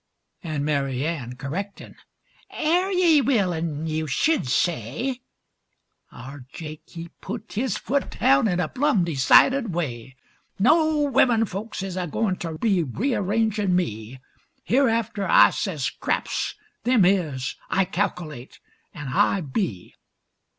An' Mary Ann kerrectin', 'Air ye willin' yeou sh'd say"; Our Jake he put his foot daown in a plum, decided way, "No wimmen folks is a goin' ter be rearrangin' me, Hereafter I says 'craps,' 'them is,' 'I calk'late,' an' 'I be.'